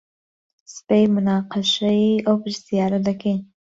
سبەی موناقەشەی ئەو پرسیارە دەکەن.